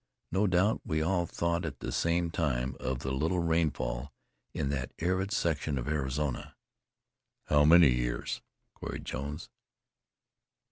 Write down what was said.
No doubt we all thought at the same time of the little rainfall in that arid section of Arizona. "How many years?" queried Jones.